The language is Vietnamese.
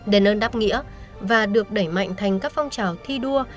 đền ơn đáp nghĩa và được đẩy mạnh thành các phong trào thi đua